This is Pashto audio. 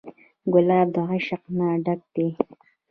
ګلاب د عشق نه ډک دی.